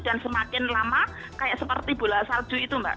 dan semakin lama kayak seperti bola salju itu mbak